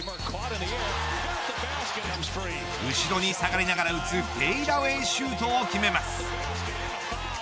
後ろに下がりながら打つフェイダウェイシュートを決めます。